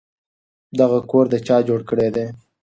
دغه کور چا جوړ کړی دی؟